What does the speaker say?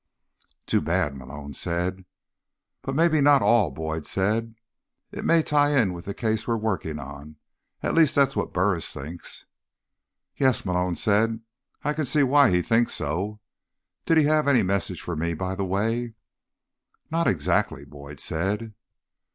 "Too bad," Malone said. "But maybe not all," Boyd said. "It may tie in with the case we're working on. At least, that's what Burris thinks." "Yes," Malone said. "I can see why he thinks so. Did he have any message for me, by the way?" "Not exactly," Boyd said.